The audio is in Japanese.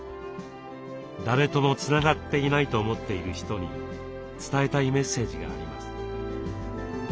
誰ともつながっていないと思っている人に伝えたいメッセージがあります。